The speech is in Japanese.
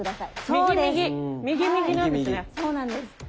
そうなんです。